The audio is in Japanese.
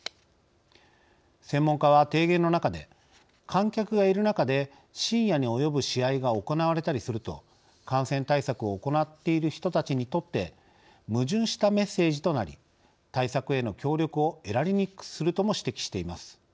専門家は提言の中で観客がいる中で深夜に及ぶ試合が行われたりすると感染対策を行っている人たちにとって矛盾したメッセージとなり対策への協力を得られにくくするとも指摘しています。